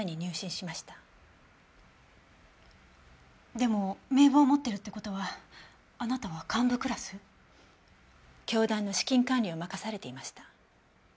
でも名簿を持ってるってことはあなたは幹部クラス？教団の資金管理を任されていました。